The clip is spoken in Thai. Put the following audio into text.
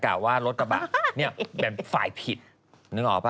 กล่าวว่ารถตะบัดนี่แบบฝ่ายผิดนึกออกป่ะ